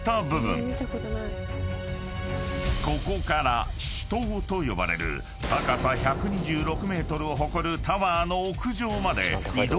［ここから主塔と呼ばれる高さ１２６ｍを誇るタワーの屋上まで移動するという］